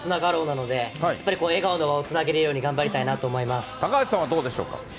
なので、やっぱりこの笑顔の輪をつなげられるように頑張りたいなと思いま高橋さんはどうでしょうか？